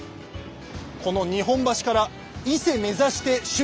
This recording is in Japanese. この日本橋から伊勢目指して出発します。